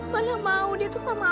mana mau dia tuh sama aku